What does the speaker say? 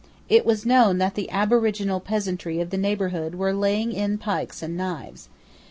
It was known that the aboriginal peasantry of the neighbourhood were laying in pikes and knives.